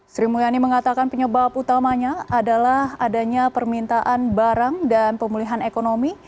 sri mulyani mengatakan penyebab utamanya adalah adanya permintaan barang dan pemulihan ekonomi